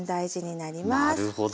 なるほど。